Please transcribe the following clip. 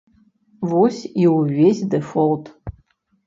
Вось і ўвесь дэфолт.